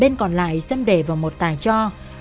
bên còn lại sâm để vào một tài cho